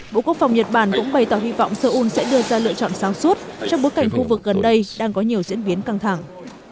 bộ quốc phòng nhật bản cũng bày tỏ hy vọng seoul sẽ đưa ra lựa chọn sáng suốt trong bối cảnh khu vực gần đây đang có nhiều diễn biến căng thẳng